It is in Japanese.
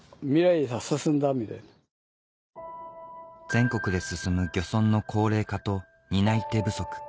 全国で進む漁村の高齢化と担い手不足